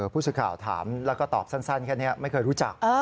ผู้สื่อข่าวถามแล้วก็ตอบสั้นแค่นี้ไม่เคยรู้จัก